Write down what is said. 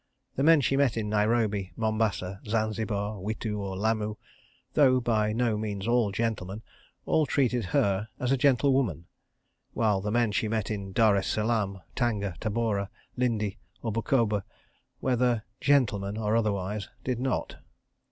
The men she met in Nairobi, Mombasa, Zanzibar, Witu or Lamu, though by no means all gentlemen, all treated her as a gentlewoman; while the men she met in Dar es Salaam, Tanga, Tabora, Lindi or Bukoba, whether "gentlemen" or otherwise, did not.